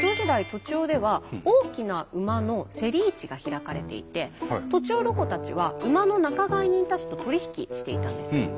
栃尾では大きな馬の競り市が開かれていて栃尾ロコたちは馬の仲買人たちと取り引きしていたんです。